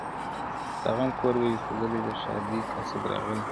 د غم کور به وي سوځلی د ښادۍ قاصد راغلی-